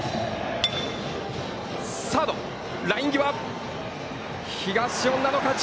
サード、ライン際東恩納の勝ち。